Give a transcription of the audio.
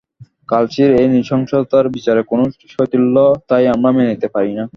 কালশীর এই নৃশংসতার বিচারে কোনো শৈথিল্য তাই আমরা মেনে নিতে পারি না।